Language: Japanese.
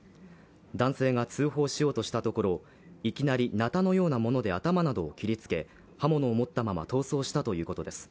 男性が通報しようとしたところいきなりなたのようなもので頭などを切りつけ刃物を持ったまま逃走したということです。